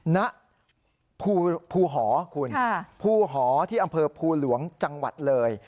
ณภูหอคุณภูหอที่อำเภอภูหลวงจังหวัดเลย